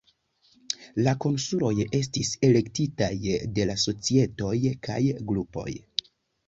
La konsuloj estis elektitaj de la societoj kaj grupoj.